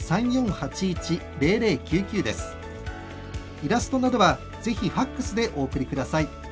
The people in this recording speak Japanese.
イラストなどはぜひファックスでお送りください。